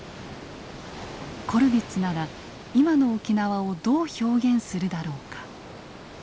コルヴィッツなら今の沖縄をどう表現するだろうか。